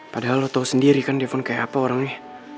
padahal lo tau sendiri kan devon kayak apa orangnya